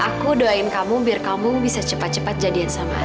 aku doain kamu biar kamu bisa cepat cepat jadi anakmu ya man